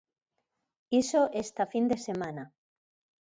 Iso esta fin de semana.